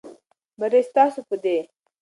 بری ستاسو په دی.